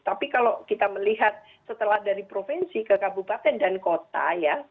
tapi kalau kita melihat setelah dari provinsi ke kabupaten dan kota ya